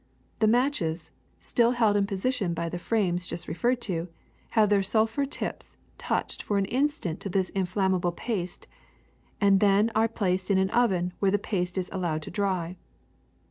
The matches, still held in position by the frames just referred to, have their sulphur tips touched for an instant to this inflammable paste, and are then placed in an oven where the paste is al lowed to dry.